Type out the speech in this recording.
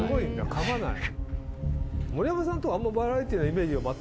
かまない。